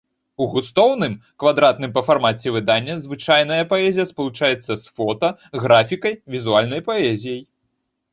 У густоўным, квадратным па фармаце выданні звычайная паэзія спалучаецца з фота, графікай, візуальнай паэзіяй.